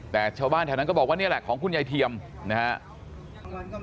แต่ชาวบ้านแถวนั้นก็บอกว่านี่แหละของคุณยายเทียมนะครับ